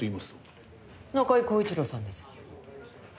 中井恒一郎さんです。